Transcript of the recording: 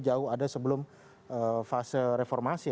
jauh ada sebelum fase reformasi